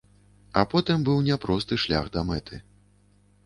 А потым быў няпросты шлях да мэты.